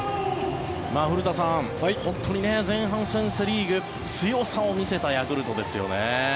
古田さん、本当に前半戦セ・リーグ強さを見せたヤクルトですよね。